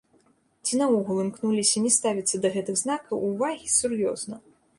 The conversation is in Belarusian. Мы наогул імкнуліся не ставіцца да гэтых знакаў увагі сур'ёзна.